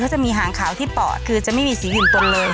จะมีหางขาวที่ปอดคือจะไม่มีสีอื่นปนเลย